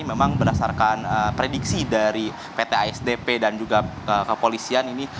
memang berdasarkan prediksi dari pt asdp dan juga kepolisian ini